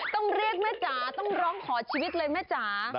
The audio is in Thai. ต้องเรียกแม่จ๋าต้องร้องขอชีวิตเลยแม่จ๋า